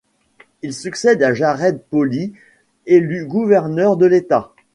Il succède à Jared Polis, élu gouverneur de l'État.